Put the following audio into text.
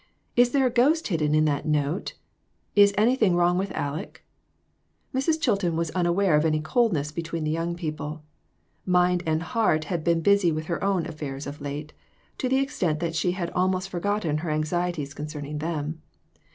Is there a ghost hidden in that note? Is anything wrong with Aleck ?" Mrs. Chilton was unaware of any coldness between the young peo ple. Mind and heart had been busy with her own affairs of late, to the extent that she had almost forgotten her anxieties concerning them.